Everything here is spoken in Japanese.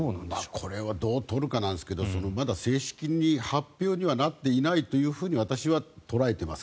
これはどう取るかなんですけどまだ正式に発表にはなっていないと私は捉えています。